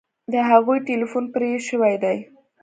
د هغوی ټیلیفون پرې شوی دی